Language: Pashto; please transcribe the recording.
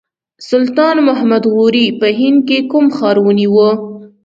سلطان محمد غوري په هند کې کوم ښار ونیو.